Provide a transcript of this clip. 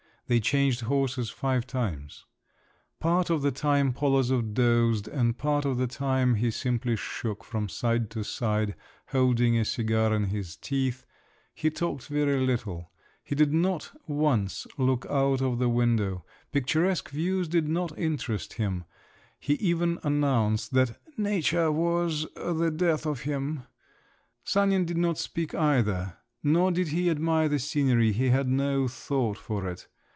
They changed horses five times. Part of the time Polozov dozed and part of the time he simply shook from side to side, holding a cigar in his teeth; he talked very little; he did not once look out of the window; picturesque views did not interest them; he even announced that "nature was the death of him!" Sanin did not speak either, nor did he admire the scenery; he had no thought for it.